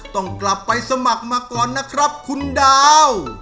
ต้องกลับไปสมัครมาก่อนนะครับคุณดาว